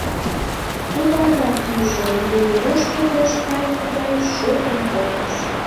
Тудо адак ӱжӧ, но Веруш пудешт кайыме гай шортын колтыш.